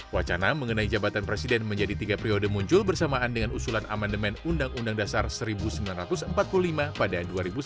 wacana mengenai jabatan presiden menjadi tiga periode muncul bersamaan dengan usulan amandemen undang undang dasar seribu sembilan ratus empat puluh lima pada dua ribu sembilan belas